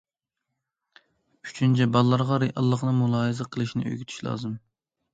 ئۈچىنچى، بالىلارغا رېئاللىقنى مۇلاھىزە قىلىشنى ئۆگىتىش لازىم.